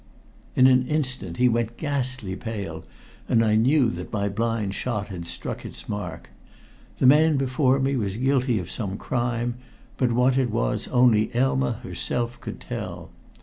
In an instant he went ghastly pale, and I knew that my blind shot had struck its mark. The man before me was guilty of some crime, but what it was only Elma herself could tell.